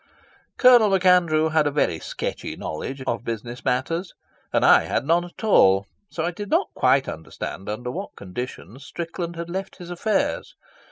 Colonel MacAndrew had a very sketchy knowledge of business matters, and I had none at all, so I did not quite understand under what conditions Strickland had left his affairs.